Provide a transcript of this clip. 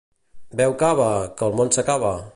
Beu cava, que el món s'acaba.